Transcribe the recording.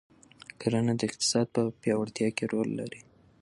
کرنه د اقتصاد په پیاوړتیا کې رول لري.